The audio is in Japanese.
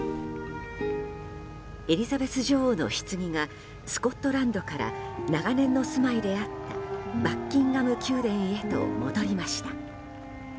エリザベス女王のひつぎがスコットランドから長年の住まいであったバッキンガム宮殿へと戻りました。